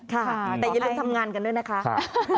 ค่ะแต่อย่าลืมทำงานกันด้วยนะคะ